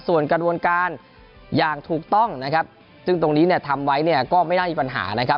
ส่วนกระดวนการอย่างถูกต้องซึ่งตรงนี้ทำไว้ก็ไม่น่ามีปัญหา